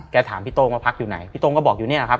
ถามพี่โต้งว่าพักอยู่ไหนพี่โต้งก็บอกอยู่นี่แหละครับ